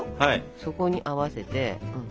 そこに合わせて。